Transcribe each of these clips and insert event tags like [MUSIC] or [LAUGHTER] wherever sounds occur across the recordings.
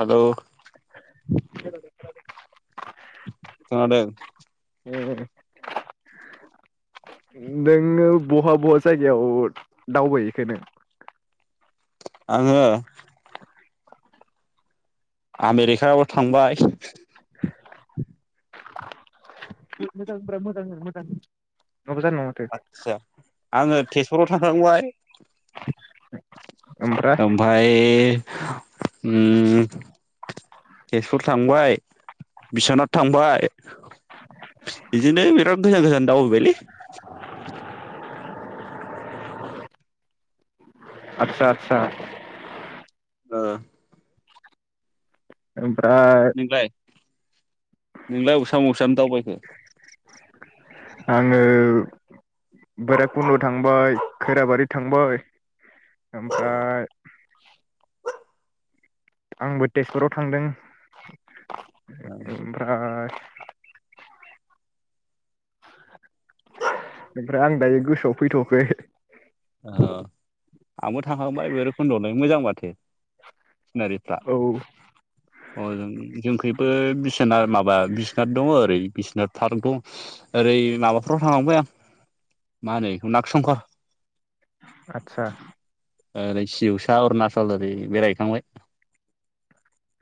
Hello खोनादों। [UNINTELLIGIBLE] नोंनो बहा बहा जायगायाव दावबायहैखो नों? आङो? आमेरिकायावबो थांबाय। थोद मोजां होनब्रा मोजां होन मोजां होन। नङाबा जानाय नङा माथो आदसा आङो तेजपुराव । थांखांबाय ओमफाय उम तेजपुर थांबाय। बिस्वानात थांबाय बिदिनो बिराद गोजान गोजान दावबायबायलै आतसा आतसा। ओ। [UNINTELLIGIBLE] नोंलाय? नोंलाय अबेसाम मसाम दावबायखो? आङो भैरागकुन्द थांबाय खैराबारि थांबाय। ओमफाय आंबो तेजपुराव थांदों । ओमफ्राय ओमफ्राय आं दायो गोसोआव फैथ'आखै। ओ आंबो थांखांबाय भैरबखुन्दआवलाय मोजां माथो सिनारिफ्रा औ अजों जोंखैबो बिसोना माबा बि बिसनाथ दङ ओरै बिसनाथ पार्क दं ओरै माबाफ्राव थांखांबाय आं मा होनो बेखौ नाग संकर। आच्छा। ओरै सिउसा अरुणचल ओरै बेरायहैखांबाय।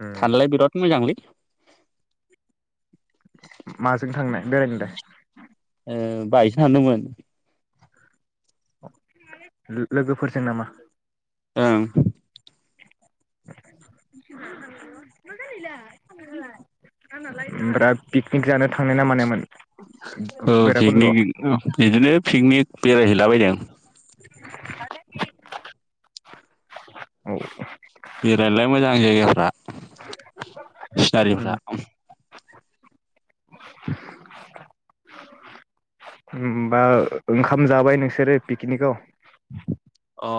उम थानोलाय बिराद मोजांलै। माजों थांनाय बेरायनोलाय? ओ बाइक सो हानदोंमोन। लोगोफोरजों नामा? ओं [INAUDIBLE] ओमफ्रा पिकनिक जानो थांनाय ना मानायमोन? ओ भैराबखुन्द'आव पिकनिक बिदिनो पिकनिक। बेरायहैलाबायदों। [INAUDIBLE] औ बेरायनोलाय मोजां जायगाफ्रा उम सिनारिफ्रा। [INAUDIBLE] होनबा ओंखाम जाबाय नोंसोरो पिकनिक आव? अ।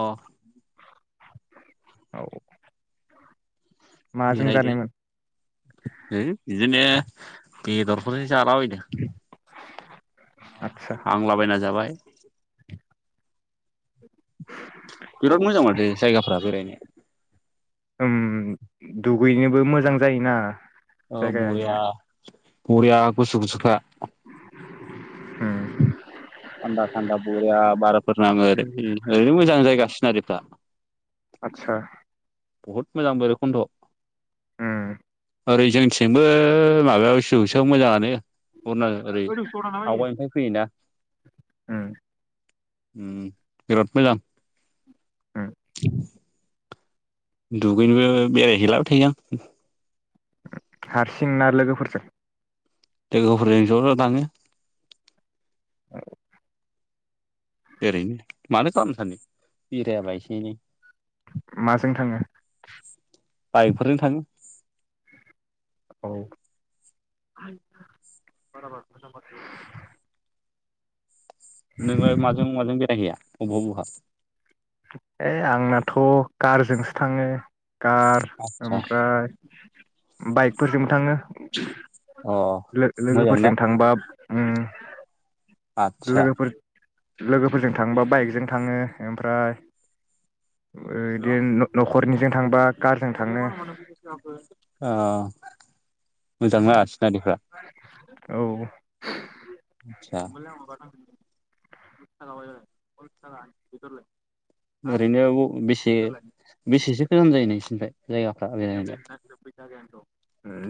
औ। माजों जानायमोन? होम बिदिनो बेदरफोरजों जालाबायदों। आदसा हांलाबायना जाबाय। औ बिराद मोजां मथो जायगाफ्रा बेरायनो। ओम दुगैनोबो मोजां जायोना। ओ बरिया। जायगाया बरिया‌ गुसु गुसु बा [INAUDIBLE] ओम। थान्दा थान्दा बरिया बारफोर नाङो ओरै ओरैनो मोजां जायगा सिनारिफ्रा। आदसा बहुत मोजां बैराखन्द'आव ओम ओरै जोंनिथिंबो माबायाव सौसोआव मोजाङानो। उरना ओरै आवगायनिफ्राय फैयोना। ओम। ओम बिराद मोजां। ओम। दुगैनोबो बेरायहैलाबाय थायो आं। हारसिं ना लोगोफोरजों? लोगोफोरजों ज' ज' थाङो। औ ओरैनो मानो खालामनो सानो बेरायाबा एसे एनै माजों थाङो बाइकफोरजों थाङो। औ [UNINTELLIGIBLE] नोङो माजों माजों बेरायहैया? बहा बहा? ओइ आंनाथ' कारजोंसो थाङो। कार आदसा ओमफ्राय बाइकफोरजोंबो थाङो। अ मोजां लो-लोगोफोरजों थांबा उम आतसा लोगोफोरजों थांबा बाइकजों थाङो। ओमफ्राय ओ बिदिनो न'खरनिजों थांबा कारजों थांङो। ओ मोजां ना सिनारिफ्रा? औ आदसा [INAUDIBLE] ब [INAUDIBLE] ओरैनो बेसे बेसेसो गोजान जायो नोंसिनिफ्राय? जायगाफ्रा बेरायनो?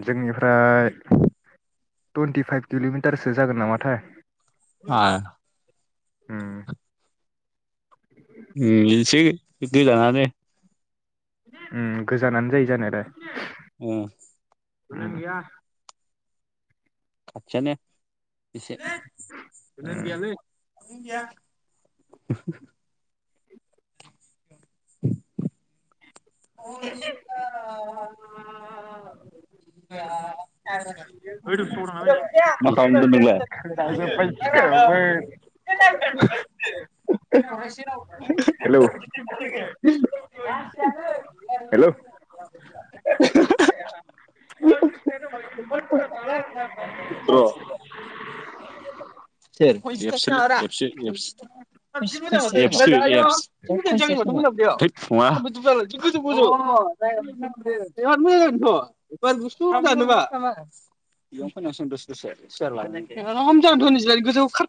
जोंनिफ्राय टुइन्टि फाइभ किल'मिटारसो जागोन नामाथाय। आ उम उम इसे गोजाननानो। उम गोजानानो जायो जानायालाय। उम उम खाथियानो। एसे। [INAUDIBLE] [UNINTELLIGIBLE] मा खालामदों नोंलाय? उम [UNINTELLIGIBLE] हेलौ हेलौ [UNINTELLIGIBLE] र [UNINTELLIGIBLE] [UNINTELLIGIBLE]